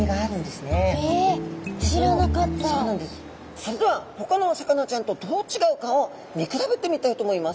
それではほかのお魚ちゃんとどう違うかを見比べてみたいと思います。